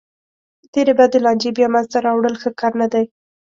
تېرې بدې لانجې بیا منځ ته راوړل ښه کار نه دی.